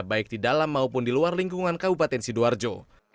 baik di dalam maupun di luar lingkungan kabupaten sidoarjo